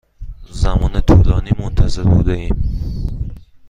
زمان طولانی منتظر بوده ایم.